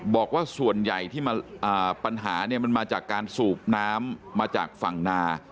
บอกว่าส่วนใหญ่ที่ปัญหาเนี่ยมันมาจากการสูบน้ำมาจากฝั่งนา